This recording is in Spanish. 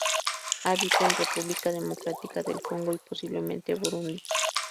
Habita en República Democrática del Congo y posiblemente Burundi.